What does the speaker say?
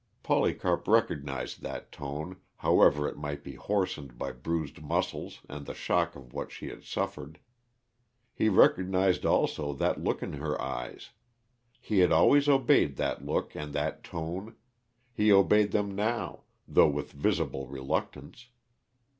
Polycarp recognized that tone, however it might be hoarsened by bruised muscles and the shock of what she had suffered. He recognized also that look in her eyes; he had always obeyed that look and that tone he obeyed them now, though with visible reluctance.